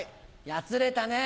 やつれたね。